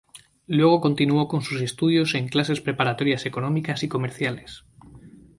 Luego continuó con sus estudios en clases preparatorias económicas y comerciales.